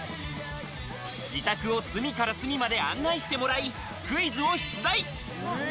自宅を隅から隅まで案内してもらいクイズを出題！